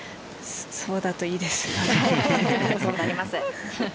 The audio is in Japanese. そうだといいです。